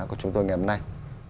của chúng tôi ngày hôm nay